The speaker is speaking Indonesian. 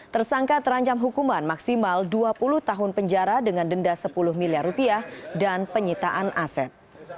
tersangka terancam hukuman maksimal dua puluh tahun penjara dengan denda sepuluh miliar rupiah dan penyitaan aset